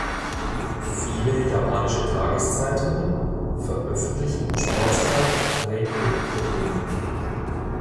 Viele japanische Tageszeitungen veröffentlichen im Sportteil Renju-Probleme.